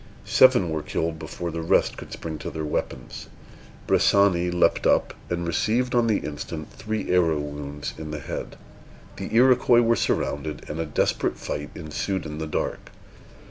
Seven were killed before the rest could spring to their weapons. Bressani leaped up, and received on the instant three arrow wounds in the head. The Iroquois were surrounded, and a desperate fight ensued in the dark.